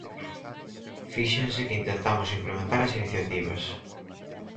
Fíxense que intentamos implementar as iniciativas.